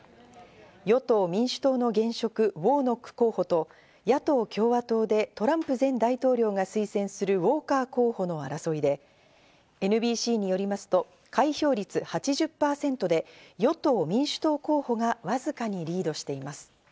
与党・民主党の現職ウォーノック候補と野党・共和党でトランプ前大統領が推薦するウォーカー候補の争いで、ＮＢＣによりますと開票率８０％で、与党・民主党の候補がわずかにリードしています。